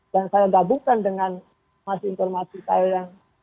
dan saya gabungkan dengan informasi saya yang